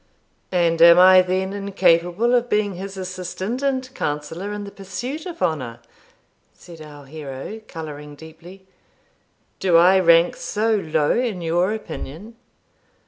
'And am I then incapable of being his assistant and counsellor in the pursuit of honour?' said our hero, colouring deeply. 'Do I rank so low in your opinion?'